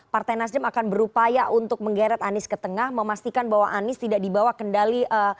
partai nasdem akan berupaya untuk menggeret anies ke tengah memastikan bahwa anies tidak dibawa kendali